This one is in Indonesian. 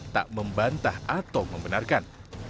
tak membantah atau membenarkan